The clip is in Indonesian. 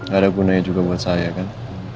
gak ada gunanya juga buat saya kan